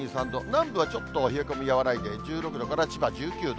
南部はちょっと冷え込み和らいで、１６度から、千葉１９度。